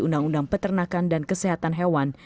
undang undang peternakan dan kesehatan hewan